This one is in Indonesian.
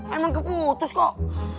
emang keputus kok